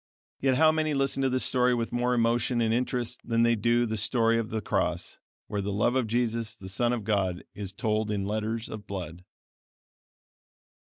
Yet how many listen to this story with more emotion and interest than they do to the story of the cross, where the love of Jesus, the Son of God, is told in letters of blood!